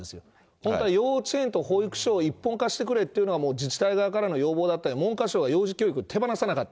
本当は幼稚園と保育園を一本化してくれっていうのが自治体側からの要望があったり、幼児教育を手放さなかった。